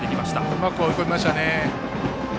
うまく追い込みましたね。